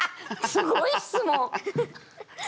すごい質問！